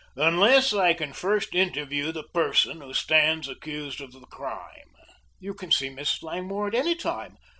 "Unless I can first interview the person who stands accused of the crime." "You can see Miss Langmore at any time.